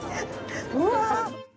うわ！